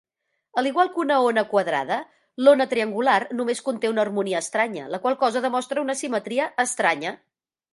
Al igual que una ona quadrada, l"ona triangular només conté una harmonia estranya, la qual cosa demostra una simetria estranya.